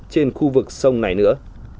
trong khu vực sông này nữa